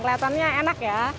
kelihatannya enak ya